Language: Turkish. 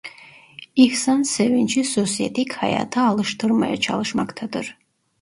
İhsan Sevinç'i sosyetik hayata alıştırmaya çalışmaktadır.